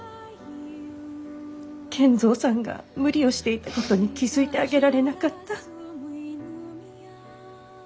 賢三さんが無理をしていたことに気付いてあげられなかった。